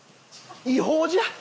違法じゃ！